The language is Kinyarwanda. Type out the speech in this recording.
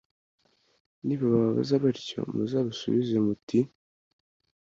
Nibababaza batyo, muzabasubize muti